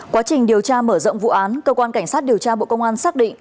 quá trình điều tra mở rộng vụ án cơ quan cảnh sát điều tra bộ công an xác định